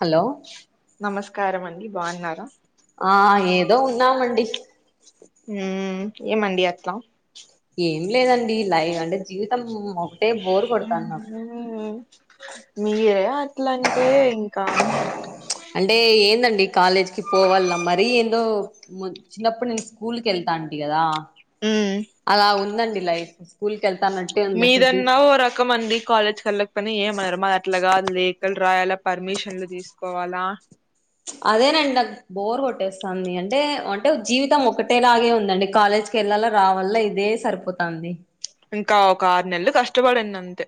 hello నమస్కారం అండి బాగున్నారా ఆ ఏదో ఉన్నామండి ఉమ్ ఏమండి అట్లా ఏం లేదండి లైవ్ అంటే జీవితం ఒకటే బోరు కొడతాంది నాకు ఉమ్ మీరే అట్లంటే ఇంకా అంటే ఏందండి కాలేజ్ కి పోవలన మరీ ఏందో చిన్నప్పుడు నేను స్కూల్ కి వెళ్తా అంటి కదా ఉమ్ అలా ఉందండి లైఫ్ స్కూల్ కి వెళ్తానట్టే ఉంది అసలు మీదన్నా ఓ రకం అండి కాలేజ్ వెళ్ళక పోయిన ఏమన్నారు మాది అట్లగాదు లేఖలు రాయాలా పర్మిషన్లు తీసుకోవాలా అదేనండి బోర్ కొట్టేస్తాంది అంటే అంటే జీవితం ఒకటేలాగే ఉందండి కాలేజ్ కి వెళ్ళాల రావాలా ఇదే సరిపో పోతాంది ఇంకా ఒక ఆరు నెలలు కష్టపడండి అంతే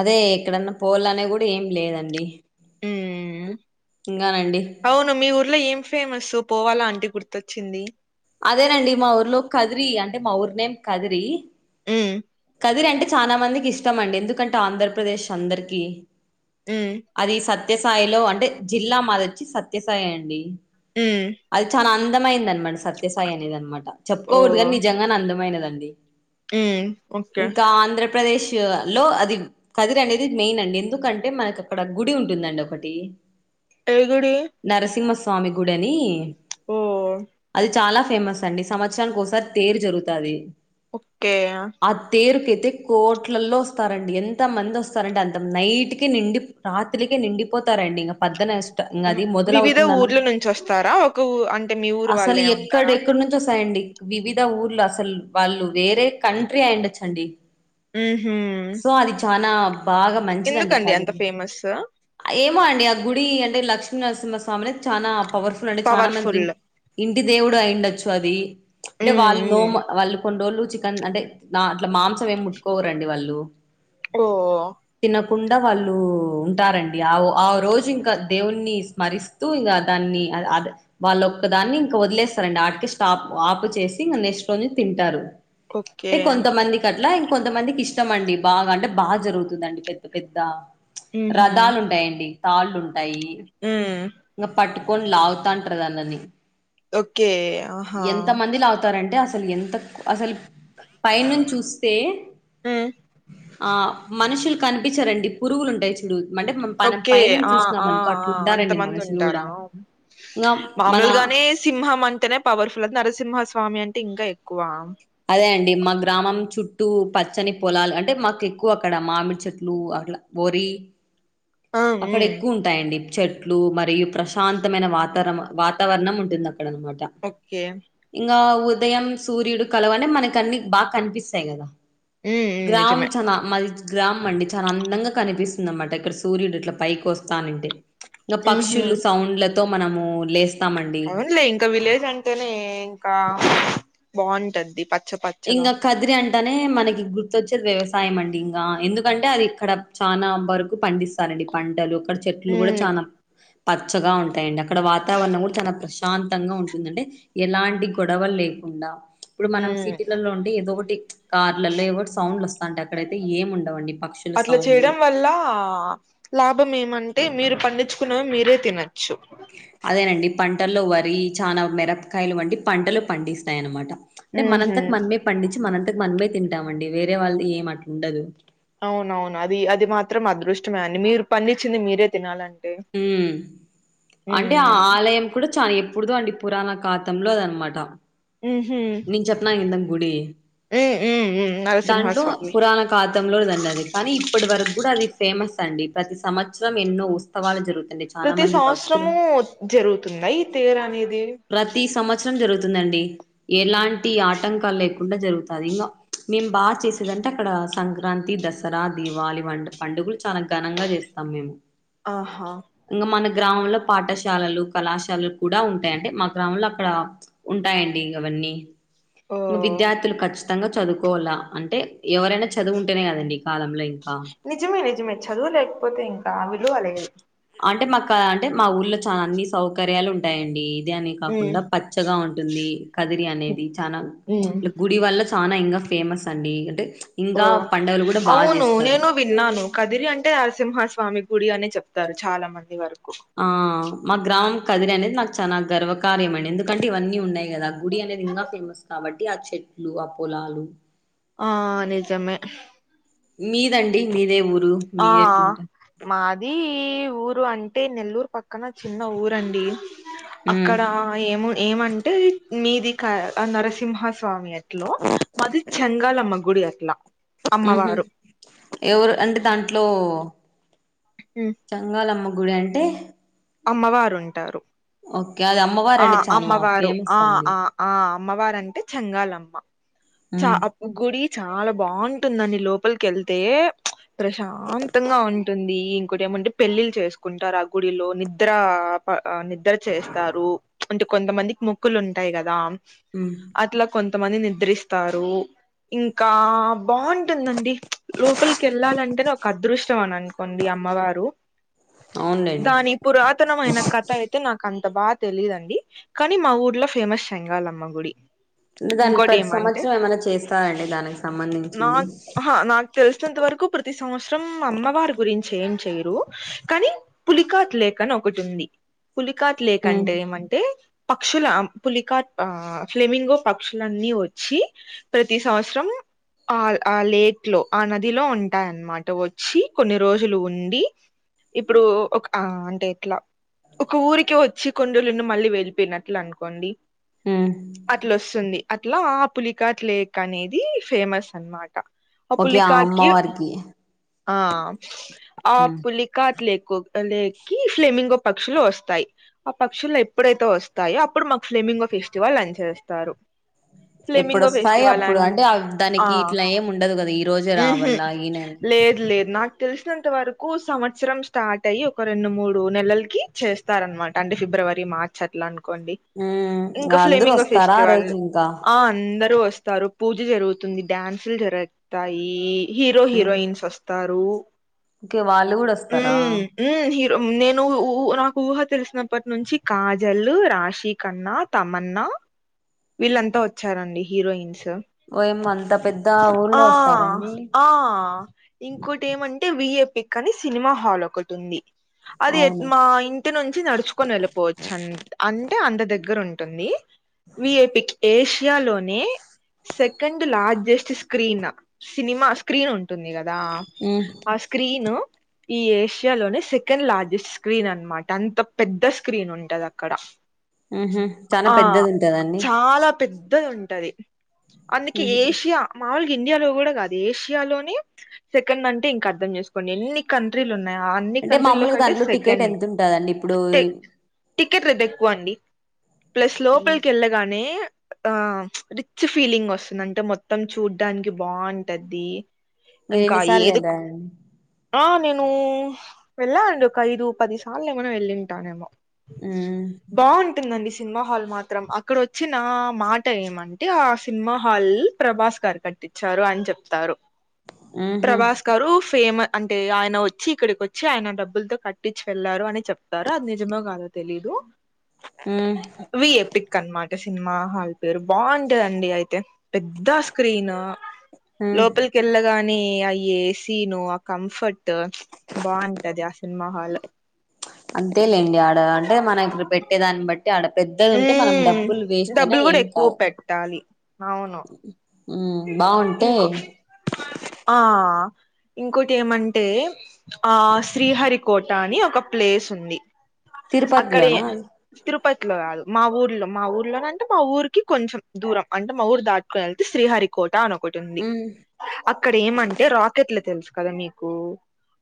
అదే ఎక్కడన్నా పోల అనే కూడా ఏం లేదండి అమ్ ఇంకానండి అవును మీ ఊర్లో ఏం ఫేమస్ పోవాలా ఆంటే గుర్తొచ్చింది అదేనండి మా ఊర్లో కదిరి అంటే మా ఊరు నేమ్ కదిరి ఆమ్ కదిరి అంటే చాలా మందికి ఇష్టం అండి ఎందుకంటే ఆంధ్రప్రదేశ్ అందరికి అమ్ అది సత్యసాయిలో అంటే జిల్లా మాదొచ్చి సత్యసాయి అండి ఉమ్ అది చానా అందమైంది అనమాట సత్యసాయి అనేది అనమాట ఓ చెప్పుకోకూడదుగాని నిజంగానే అందమైనదండి ఊ ఓకే ఇంకా ఆంధ్రప్రదేశ్ లో అది కదిరి అనేది మెయిన్ అండి ఎందుకంటే మనకు అక్కడ గుడి ఉంటుందండి ఒకటి ఏ గుడి నరసింహస్వామి గుడి ఓ అది చాలా ఫేమస్ అండి సంవత్సరానికి ఒకసారి తేరు జరుగుతది ఓకే ఆ తేరుకైతే కోట్లల్లో వస్తారండి ఎంత మంది వస్తారండి అంత నైట్ కె నిండి రాత్రికే నిండిపోతారండి ఇగ పద్దన ఇగ వి అది వివిధ మొదలవుతుందనో ఊర్ల నుంచి వస్తారా ఒక ఊ అంటే మీ ఊరు అసలు వాళ్ళే ఎక్కడ ఉంటారా ఎక్కడి నుంచి వస్తాయండి వివిధ ఊర్లు అసలు వాళ్ళు వేరే కంట్రీ అయిండొచ్చండి ఉహు సో అది చనా బాగా మంచిదండి ఎందుకండి అంత కదిరి ఫేమస్ ఏమో అండి ఆ గుడి అంటే లక్ష్మీనరసింహ స్వామి అ చాలా పవర్ఫుల్ అండీ చాలా మందికి పవర్ఫుల్ ఇంటి దేవుడు అయిండొచ్చు అది అంటే ఉమ్ వాళ్ళు నో ఉమ్ వాళ్ళు కొన్ని రోళ్లు చికెన్ అంటే నా అట్ల మాంసం ఏం ముట్టుకోవరండి వాళ్ళు ఓ తినకుండా వాళ్ళు ఉంటారండి ఆ ఆ రోజు ఇంకా దేవుణ్ణి స్మరిస్తూ ఇంగ దాన్ని అది వాళ్ళు ఒక్క దాన్ని ఇంకా వదిలేస్తారండి అటికే స్టాప్ ఆపు చేసి ఇంకా నెక్స్ట్ రోజు తింటారు ఓకే అంటే కొంతమందికి అట్లా ఇంక కొంతమందికి ఇష్టం అండి బాగా అంటే బాగా జరుగుతుందండి పెద్ద పెద్ద ఉహు రథాలు ఉంటాయండి తాళ్ళు ఉంటాయి ఉమ్ ఇంకా పట్టుకోని లావుతాంటా అంటారు కదా అండి ఓకే ఆహా ఎంత మంది లావుతారంటే అసలు ఎంత అసలు పై నుంచి చూస్తే ఉమ్ ఆ మనుషులు కనిపించారండి పురుగులు ఉంటాయి చుడు అంటే పన ఓకే పైనుంచి ఆ చూసినాం ఆ అనుకో అట్లుంటారండి అంతమంది మనుషులు కూడా ఉంటారా ఇంగా మన మామూలుగానే సింహం అంటేనే పవర్ఫుల్ అది నరసింహస్వామి అంటే ఇంకా ఎక్కువ అదే అండి మా గ్రామం చుట్టూ పచ్చని పొలాలు అంటే మాకు ఎక్కువ అక్కడ మామిడి చెట్లు అట్లా బొరి ఆ అక్కడ ఉమ్ ఎక్కువ ఉంటాయండి చెట్లు మరియు ప్రశాంతమైన వాతావరణ వాత్ వాతావణం ఉంటుంది అక్కడ అనమాట ఓకే ఇంగా ఉదయం సూర్యుడు కలవనే మనకు అన్ని బాగా కనిపిస్తాయి గదా ఉమ్ ఉమ్ గ్రామ్ నిజమే చనా మరి గ్రామ్ అండి చాలా అందంగా కనిపిస్తుందంది అన్నమాట ఇక్కడ సూర్యుడు ఇట్లా పైకి వస్తనింటే ఇంగా ఉహు పక్షులు సౌండ్లతో మనము లేస్త అవునులే ఇంకా విలేజ్ అంటేనే ఇంకా బాగుంటది పచ్చ పచ్చ ఇంకా కదిరి అంటనే మనకి గుర్తొచ్చేది వ్యవసాయం అండి ఇంగా ఎందుకంటే అది ఇక్కడ చానా బరకు పండిస్తారండి పంటలు అక్కడ చెట్లు కూడా ఉమ్ చాలా పచ్చగా ఉంటాయిడి అక్కడ వాతావరణం కూడా చాల ప్ర ప్రశాంతంగా ఉంటుంది అంటే ఎలాంటి గొడవలు లేకుండా ఇప్పుడు మనం ఉమ్ సిటీలలో ఉంటే ఇదో ఒకటి కార్లలో ఏదోటి ఏవో సౌండ్లు వస్తాంటే అక్కడయితే ఏమి ఉండవండి పక్షుల సౌండ్లు పిల్ల లాభం ఏమంటే మీరు పండించుకున్నవి మీరే తినచ్చు అదేనండి పంటల్లో వరి చానా మిరపకాయల్ వంటి పంటలు పండిస్తాయన్నమాట అంటే ఉహు మనంతట్ మనమే పండించి మనంతక్ మనమే తింటామండి వేరే వాళ్ ది ఏం అట్లుండదు అవునవును అది అది మాత్రం అదృష్టమే అండి మీరు పండిచ్చింది మీరే తినాలండి ఊ అంటే ఆ ఆలయం కూడా చాన ఎప్పుడుదో అండి పురాణ ఖాతంలో దన్మాట ఊహు నేకు చెప్పిన ఇందగుడి ఉమ్ ఉమ్ దాంట్లో నరసింహస్వామి పురాణ ఖాతంలోదండది కానీ ఇప్పటి వరక్కూడా అది ఫేమస్ అండి ప్రతి సంవత్సరం ఎన్నో ఉత్సవాలు జరుగుతండి ప్రతి సంవత్సరము జరుగుతుందా ఈ తెరనేది ప్రతి సంవత్సరం జరుగుతుందండి ఎలాంటి ఆటంకాల్ లేకుండా జరుగుతది ఇంగా మేం బా చేసేదంటే అక్కడ సంక్రాంతి దస్ సరా దీవాళి వంటి పండుగలు చాలా ఘనంగా చేస్తాం మేము ఆహా ఇంగా మన గ్రామంలో పాఠశాలలు కళాశాలలు కూడా ఉంటాయండి మా గ్రామంలో అక్కడ ఉంటాయండి ఇగవన్నీ ఓ ఇంకా విద్యార్థులు ఖచ్చితంగా చదువుకోవల్లా అంటే ఎవరైనా చదువుంటేనే కదండి కాలంలో ఇంకా నిజమే నిజమే చదువు లేకపోతే ఇంకా విలువలేదు అంటే మాకా అంటే మా ఊర్లో చానా అన్ని సౌకర్యాలు ఉంటాయండి ఇది అని ఉమ్ కాకుండా పచ్చగా ఉంటుంది కదిరి అనేది చనా ఉమ్ గుడి వల్ల తానా ఇంకా ఫేమస్ అండి అంటే ఓ ఇంకా పండుగలు కూడా బాగా అవును చేస్తారు నేను విన్నాను కదిరి అంటే నరసింహస్వామి గుడి అని చెప్తారు చాలా మంది వరకు ఆ మా గ్రామం కదిరి అనేది నాకు చాలా గర్వకార్యమండి ఎందుకంటే ఇవన్నీ ఉన్నాయి కదా గుడి అనేది ఇంగా ఫేమస్ కాబట్టి ఆ చెట్లు ఆ పొలాలు ఆ నిజమే మీదండి మీదే ఊరు ఆ మీది ఎట్లుంటారు మాది ఊరు అంటే నెల్లూర్ పక్కన చిన్న ఊరండి ఉమ్ అక్కడ ఏమో ఏమంటే మీది క ఆ నరసింహస్వామి ఎట్లో మది చెంగాలమ్మ గుడి అట్లా ఉహు అమ్మవారు ఎవరు అంటే దాంట్లో హు చంగాలమ్మ గుడి అంటే అమ్మవారూంటారు ఓకే అది ఆ అమ్మవారండి చాలా అమ్మవారు ఫేమస్ ఆ అండి ఆ ఆ అమ్మవారంటే చెంగాలమ్మ చ ఉమ్ అ గుడి చాలా బాంటుందండి లోపల్ కెళ్తే ప్రశాంతంగా ఉంటుంది ఇంకోటేమంటే పెళ్ళిళ్ చేస్ కుంటరాగుడిలో నిద్ నిద్ర అ నిద్ర చేస్తారు అంటే కొంతమందికి మొక్కులుంటాయి గదా ఊ అట్ల కొంతమంది నిద్రిస్తారు ఇంకా బాంటుందండి లోపలికి వెళ్ళాలంటేనే ఒక అదృష్టం అనం నుకొంది అమ్మవారు అవునులేండి దాని పురాతనమైన కథ అయితే నాకంత బా తెలీదండి కానీ మా ఊర్లో ఫేమస్ షేంగాలమ్మ గుడి దాన్ని ఇంకోటి ప్రతి ఏమంటే సంవత్సరం ఏమన్నా చేస్తారండి దానికి సంబంధించింది నాక్ అహా నాకు తెలిసినంత వరకు ప్రతి సంవత్సరం అమ్మవారి గురించి ఏం చేయరు కానీ పులికాట్ లేక అని ఒకటి ఉంది పులికాట్ లేక ఉమ్ అంటే ఏమంటే పక్షుల పులికాట్ ఆ ఫ్లెమింగో పక్షులన్నీ వచ్చి ప్రతి సంవత్సరం ఆ ఆ లేట్ లో ఆ నదిలో ఉంటాయన్నమాట వచ్చి కొన్ని రోజులు ఉండి ఇప్పుడు ఒక అన్ అంటే ఎట్లా ఒక ఊరికి వచ్చి కొన్ని రోజులు ఉండి మళ్ళీ వెళ్ళిపోయినట్లు అనుకోండి ఉమ్ అట్లొస్తుంది అట్లా ఆ పులికట్ లేక్ అనేది ఫేమస్ అనమాట ఆ ఓకే పులికాట్ కీ అమ్మవారికి ఆ ఆ ఉమ్ పులికాట్ లేకు లే కీ ఫ్లేమింగో పక్షులు వస్తాయి ఆ పక్షులు ఎప్పుడైతే వస్తాయో అప్పుడు మాకు ఫ్లిమింగ్ ఫెస్టివల్ అని చేస్తారు ఫ్లెమింగో ఎప్పుడుస్తాయో ఫెస్టివల్ అప్పుడు అన్ అంటే ఆ దానికి ఇట్లా ఏమి ఉండదు కదా ఈ రోజు ఉహు రావాల్ల ఈ నె లేదు లేదు నాకు తెలిసినంత వరకు సంవత్సరం స్టార్ట్ అయ్యి ఒక రెండు మూడు నెలలకి చేస్తారు అనమాట అంటే ఫిబ్రవరి మార్చ్ అట్లా అనుకోండి ఉమ్ ఇంకా అందరూ ఫ్లేమింగ్ వస్తారా ఆ ఫెస్టివల్ రోజు ఇంకా ఆ అందరు వస్తారు పూజ జరుగుతుంది డ్యాన్సులు జరుగుతాయి హీరో ఉమ్ హీరోయిన్స్ వస్తారు ఓకే వాళ్ళు కూడా వస్తారా మ్మ్ మ్మ్ నేను ఊ నాకు ఊహ తెలిసినప్పటి నుంచి కాజల్ రాశి కన్నా తమన్నా వీళ్ళంతా వచ్చారండి హీరోయిన్స్ ఓయమ్మ అంత పెద్ద ఊర్లో ఆ వస్తారండి ఆ ఇంకోటి ఏమంటే వియేపిక్ అని సినిమా హాల్ ఒకటి ఉంది అది అవును మా ఇంటి నుంచి నడుచుకొని వెళ్ళిపోవచ్చు అంత్ అంటే అంత దగ్గర ఉంటుంది వి ఎ పిక్ ఏషియాలోనే second largest screen cinema screen ఉంటుంది కదా మ్మ్ ఆ స్క్రీను ఈ ఏషియా లోని సెక్ సెకండ్ లార్జెస్ట్ స్క్రీన్ అనమాట అంత పెద్ద స్క్రీన్ ఉంటాది అక్కడ ఆహ చాలా ఆ పెద్దది ఉంటాదండి చాలా పెద్దది ఉంటది అందుకే ఉహు ఏషియా మాముూలుగా ఇండియాలో కూడా కాదు ఏషియాలోని సెకండ్ అంటే ఇంకా అర్థం చేసుకోండి ఎన్ని కంట్రీలు ఉన్నాయ అన్ అన్ని అంటే కంట్రీ లో మామూలుగా కంటే దాంట్లో టికెట్ సెకండ్ ఎంత ఉంటదండి ఇప్పుడు టికెట్ రేట్ ఎక్కువ అండి ప్లస్ లోపలికి వెళ్ళ గానే ఆ రిచ్ ఫీలింగ్ వస్తుంది అంటే మొత్తం చూడ్డానికి బాగుంటాది మీరు ఇంకా ఎన్నిసార్లు ఏదు వెళ్ళారండి ఆ నేను వెళ్ళానండి ఒక ఐదు పది సార్లు ఏమన్నానా వెళ్ళింటానేమో ఉమ్ బాగుంటుందండి సినిమా హాల్ మాత్రం అక్కడ వచ్చిన మాట ఏమంటే ఆ సినిమా హాల్ ప్రభాస్ గారు కట్టించారు అని చెప్తారు ఉహు ప్రభాస్ గారు ఫేమ అంటే ఆయన వచ్చి ఇక్కడికి వ వచ్చి ఆయన డబ్బులతో కట్టిచ్చి వెళ్లారు అని చెప్తారు అది నిజమే కాదో తెలీదు మ్మ్ విఏపిక్ అనమాట సినిమా హాల్ పేరు బాగుంటాదండి అయితే పెద్ద స్క్రీను ఉమ్ లోపలికి యెళ్ళగానే అ ఏసీను ఆ కంఫర్ట్ బావుంటది ఆ సినిమా హాల్ అంతే లేండి ఆడ అంటే మనం రి పెట్టే దాన్ని బట్ అడ పెద్దది ఉంటే మనం ఉమ్ డబ్బులు వేస్ట్ అయినా డబ్బులు కూడా ఏం ఎక్కువ కాదు పెట్టాలి అవును ఉమ్ బాగుంటే ఇంకో ఆ ఇంకోటి ఏమంటే ఆ శ్రీహరికోట అని ఒక ప్లేస్ ఉంది అక్కడే తిరుపతిలోనా అది తిరుపతిలో కాదు మా ఊర్లో మా ఊర్లో నంటే మా ఊరికి కొంచెం దూరం అంటే మా ఊరు దాటుకొ యెళ్తే శ్రీహరి కోట అనొకటి ఉంది ఉమ్ అక్కడ ఏమంటే రాకెట్లు తెలుసు కదా మీకు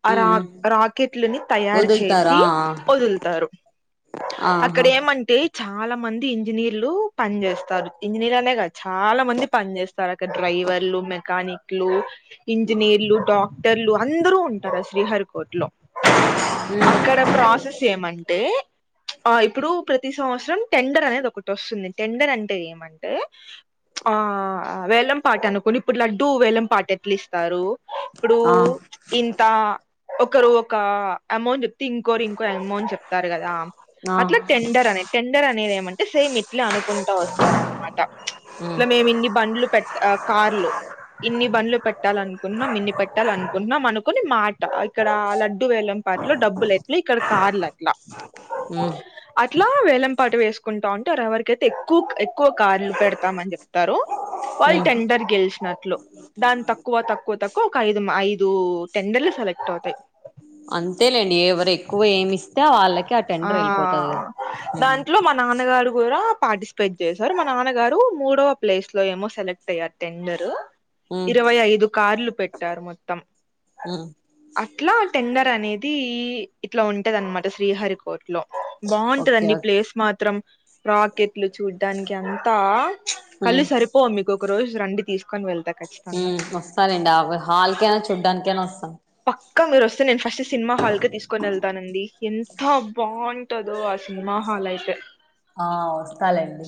ఆ ఉమ్ రా ఉమ్ రాకెట్లని తయారు వదులుతారా చేసి వదులుతారు ఆ, అక్కడ ఆహా ఏమంటి చాలా మంది ఇంజనీర్లు పన్ జేస్తారు ఇంజనీర్ అనే కాదు చాలా మంది పన్ జేస్ తరక డ్రైవర్లు మెకానిక్ లు ఇంజనీర్లు డాక్ టర్లు అందరూ ఉంటరు శ్రీహరి కోట్ లో ఉమ్ అక్కడ్ ప్రాసెస్ ఏమంటే ఆ ఇప్పుడు ప్రతి సంవత్సరం టెండర్ అనేది ఒకటి వస్తుంది టెండర్ అంటే ఏమంటే ఆ హా ఆ వేలం పాట అనుకొని ఇప్పుడు లడ్డూ వేలంపాటేట్లీస్తారు ఇప్పుడు ఆ ఇంత ఒకరు ఒక అమౌంట్ ఇంకోరు ఇంకో ఎమోన్ చెప్తారు గదా ఆ అట్లా టెండర్ అన్ టెండర్ అనేది ఏమంటే సేమ్ ఇట్లా అనుకుంటా వస్తారన్మాట ఉమ్ ఇట్లా మేమ్ ఇన్ పండ్లు పెట్ ఆ కార్లు ఇన్ని బండ్లు పెట్టాలనుకున్నాం ఇన్ని పెట్టాల్ అనుకుంటున్నాం అనుకుని మాట ఇక్కడ ల డు వేలం పాట్లో డబ్బులు ఎట్ల ఇక్కడ కార్లు అట్లా ఉమ్ అట్లా వేలంపాట వేసుకుంటా ఉంటే ఎవరికైతే ఎక్కువ్ ఎక్కువ కార్లు పెడతామన్ జెప్తారో వాల్ ఉమ్ టెండర్ గెల్శినట్లు దాని తక్కువ తక్కువ తక్కువ ఒక ఐదు మా ఐదు టెండర్లు సెలెక్ట్ అవుతయ్ అంతేలేండి ఎవరు ఎక్కువ ఏమిస్తే వాళ్ళకి ఆ టెండర్ వెళ్ళిపోతది కదా ఉమ్ దాంట్లో మా నాన్నగారు గూడా పార్టిసిపేట్ చేశారు మా నాన్నగారు మూడవ ప్లేస్ లో ఏమో సెలెక్ట్ అయ్యారు టెండరు ఉమ్ ఇరవై ఐదు కార్లు పెట్టారు మొత్తం ఉమ్ అట్లా టెండర్ అనేది ఇట్లా ఉంటదిన్మాట శ్రీహరి కోట్ లో ఓకే బావున్టదండి ఓకే ప్లేస్ మాత్రం రాకెట్లు చూడ్డానికి అంతా కళ్ళు ఉమ్ సరి పొ మీకొకరోజు రండి తీస్కొన్ వెళ్తా ఖచ్చితంగా హ్మ్ వస్తలెండి ఆవ్ హాల్కేనా చూడ్డానికేనా వస్తా పక్క మీరు వస్తే నేను ఫస్ట్ సినిమా హాల్కే తీస్కొన్ యెళ్తానండి ఎంత బాఉంటదో ఆ సినిమా హాల్ అయిత్ ఆ వస్తాలెండ్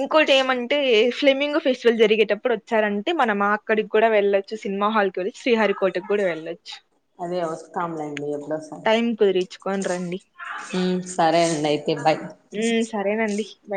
ఇంకోటి ఏమంటే ఫ్లెమ్మింగ్ ఫెస్టివల్ జరిగేటప్పుడు వచ్చారంటే మన మా అక్కడికి కుడా వెళ్ళొచ్చు సినిమా హాల్ కి వెళ్ళి శ్రీహరి కోటక్ కూడా వెళ్ళొచ్చు అదె వస్తాంలేండి ఎప్పుడొస్ టైమ్ కుదిరిచ్చుకోన్ రన్ హ్మ్ సరే అండయితే బయ్ ఉమ్ సరేనండి బాయ్